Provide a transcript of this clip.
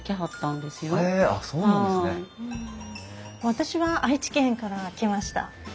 私は愛知県から来ました。